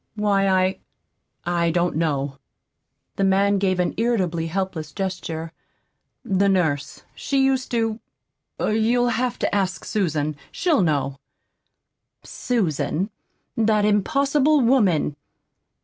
"Why, I I don't know." The man gave an irritably helpless gesture. "The nurse she used to You'll have to ask Susan. She'll know." "Susan! That impossible woman!